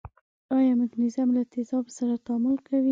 آیا مګنیزیم له تیزابو سره تعامل کوي؟